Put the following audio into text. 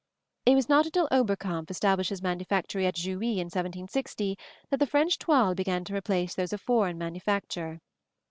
It was not until Oberkampf established his manufactory at Jouy in 1760 that the French toiles began to replace those of foreign manufacture.